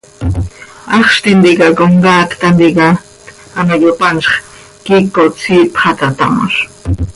Haxz tintica comcaac tanticat ano yopanzx, quiicot siip xah taa tamoz.